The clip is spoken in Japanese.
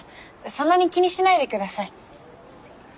そんなに気にしないで下さい。